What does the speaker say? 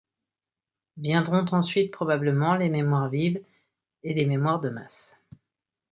Viendront ensuite probablement les mémoires vives et les mémoires de masse.